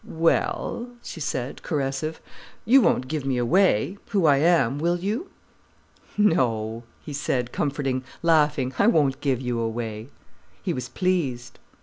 "Well," she said, caressive, "you won't give me away, who I am, will you?" "No," he said, comforting, laughing, "I won't give you away." He was pleased.